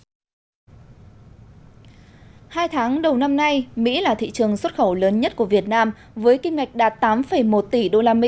hai tháng đầu năm nay mỹ là thị trường xuất khẩu lớn nhất của việt nam với kim ngạch đạt tám một tỷ usd